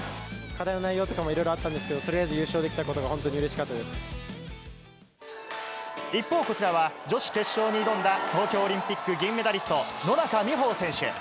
課題の内容とかもいろいろあったんですけど、とりあえず優勝できたことが本当にうれしかった一方、こちらは女子決勝に挑んだ、東京オリンピック銀メダリスト、野中生萌選手。